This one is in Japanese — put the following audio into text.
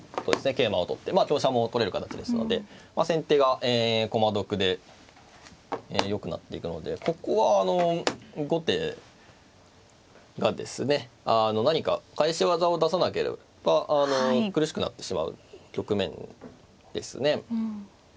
桂馬を取って香車も取れる形ですので先手が駒得でよくなっていくのでここは後手がですね何か返し技を出さなければ苦しくなってしまう局面ですね。